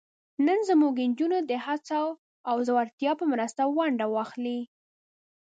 نن زموږ نجونې د هڅو او زړورتیا په مرسته ونډه واخلي.